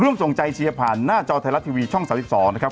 ร่วมส่งใจเชียร์ผ่านหน้าจอไทยรัฐทีวีช่อง๓๒นะครับ